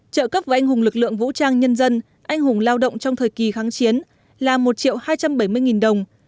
trợ cấp với anh hùng lực lượng vũ trang nhân dân anh hùng lao động trong thời kỳ kháng chiến là một triệu hai trăm bảy mươi nghìn đồng